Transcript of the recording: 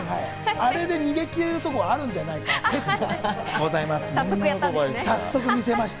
あれで逃げ切れるところはあるんじゃないかと言ってました。